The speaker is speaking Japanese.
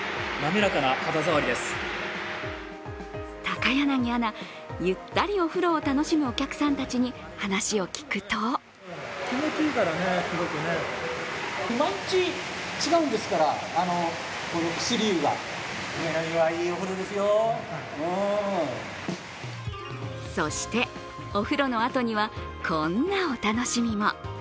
高柳アナ、ゆったりお風呂を楽しむお客さんたちに話を聞くとそして、お風呂のあとには、こんなお楽しみも。